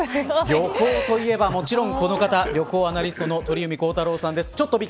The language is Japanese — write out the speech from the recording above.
旅行といえば、もちろんこの方旅行アナリストの鳥海高太朗さんです。